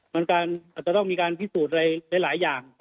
๒มันมีการพิสูจน์หลายอย่าง